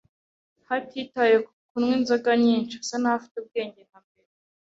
Hatitawe ku kunywa inzoga nyinshi, asa naho afite ubwenge nka mbere.